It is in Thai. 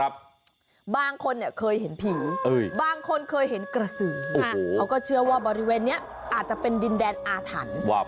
บางคนเนี่ยเคยเห็นผีบางคนเคยเห็นกระสือเขาก็เชื่อว่าบริเวณนี้อาจจะเป็นดินแดนอาถรรพ์